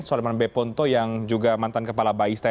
soleman beponto yang juga mantan kepala bais tni